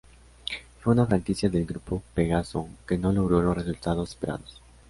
Fue una franquicia del Grupo Pegaso, que no logró los resultados esperados.